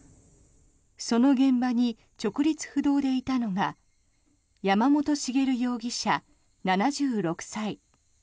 その現場に直立不動でいたのが山本茂容疑者、７６歳。